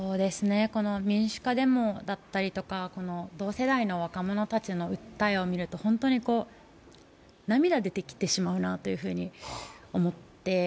民主化デモだったりとか同世代の若者たちの訴えを見ると本当に涙が出てきてしまうなというふうに思って。